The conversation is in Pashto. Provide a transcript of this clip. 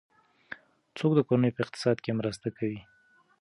څوک د کورنۍ په اقتصاد کې مرسته کوي؟